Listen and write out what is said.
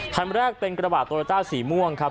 คันแรกเป็นกระบาดโตโยต้าสีม่วงครับ